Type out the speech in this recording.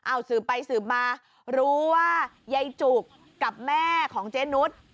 เอาสืบไปสืบมารู้ว่ายายจุกกับแม่ของเจนุส